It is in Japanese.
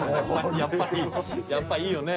やっぱいいよね。